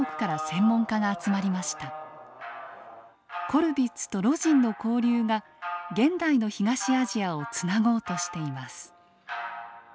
コルヴィッツと魯迅の交流が現代の東アジアをつなごうとしています。